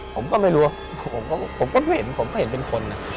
ผมก็ไม่รู้ผมก็เห็นเป็นคนนะ